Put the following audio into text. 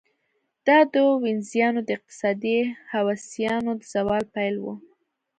دا د وینزیانو د اقتصادي هوساینې د زوال پیل و.